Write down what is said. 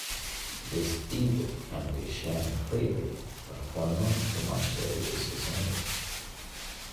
This e-book can be shared freely but for non-commercial uses only.